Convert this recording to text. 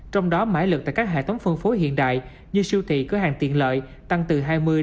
trong đó mãi lực tại các hệ thống phân phối hiện đại như siêu thị cửa hàng tiện lợi tăng từ hai mươi ba mươi